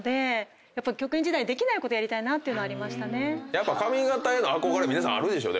やっぱ髪形への憧れ皆さんあるでしょ？